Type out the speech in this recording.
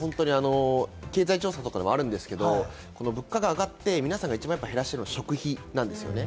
経済調査にもあるんですけど、物価が上がって皆さんが一番減らすのは食費なんですよね。